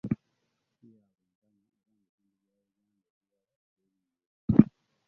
Si ya bwenkanya era mu bitundu bya Uganda ebirala teriiyo